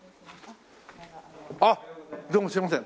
あっどうもすいません。